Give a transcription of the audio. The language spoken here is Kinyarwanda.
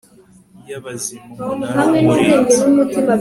y abazima umunara w umurinzi